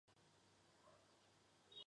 规划路线起于高铁路和重和路口路口。